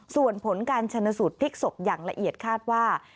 ส่วนผลการชนสูตรพลิกศพอย่างละเอียดคาดว่า